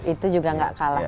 itu juga gak kalah